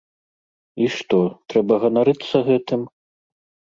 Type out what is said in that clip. І што, трэба ганарыцца гэтым?